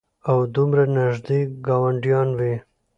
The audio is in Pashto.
او دومره نېږدې ګاونډيان وي